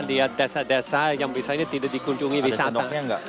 lihat desa desa yang biasanya tidak dikunjungi wisata